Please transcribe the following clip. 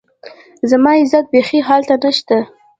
زما عزت بيخي هلته نشته